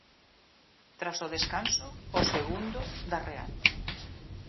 Tras o descanso, o segundo da Real.